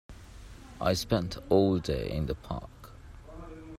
I spent all day in the park.